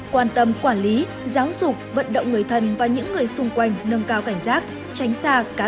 quan tâm quản lý giáo dục vận động người thân và những người xung quanh nâng cao cảnh giác tránh xa cán